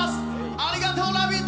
ありがとう、「ラヴィット！」